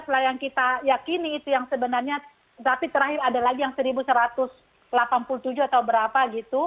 nah yang kita yakini itu yang sebenarnya tapi terakhir ada lagi yang seribu satu ratus delapan puluh tujuh atau berapa gitu